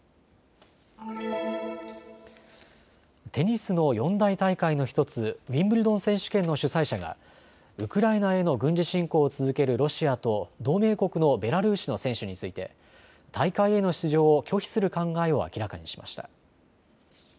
テニスの四大大会の１つ、ウィンブルドン選手権の主催者がウクライナへの軍事侵攻を続けるロシアと同盟国のベラルーシの選手について大会への出場を拒否する考えを明らかにしました。